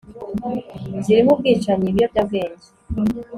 zirimo ubwicanyi ibiyobyabwenge